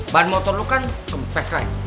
bahan motor lu kan ke fast ride